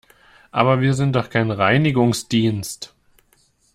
Aber wir sind doch kein Reinigungsdienst!